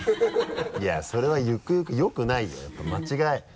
いやそれはゆくゆくよくないよやっぱ間違え。